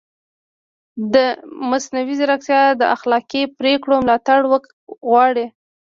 مصنوعي ځیرکتیا د اخلاقي پرېکړو ملاتړ غواړي.